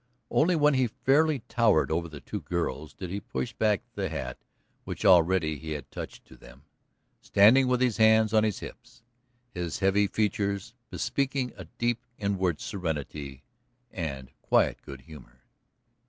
Only when he fairly towered over the two girls did he push back the hat which already he had touched to them, standing with his hands on his hips, his heavy features bespeaking a deep inward serenity and quiet good humor.